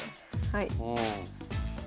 はい。